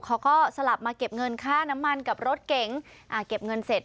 สลับมาเก็บเงินค่าน้ำมันกับรถเก๋งอ่าเก็บเงินเสร็จ